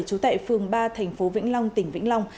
trú tại phường ba tp vĩnh long tỉnh vĩnh long